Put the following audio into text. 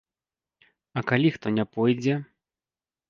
А калі хто не пойдзе?